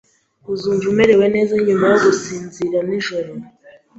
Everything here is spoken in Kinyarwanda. Uzumva umerewe neza nyuma yo gusinzira nijoro.